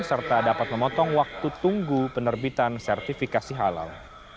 serta dapat memotong waktu tunggu penerbitan sertifikasi halal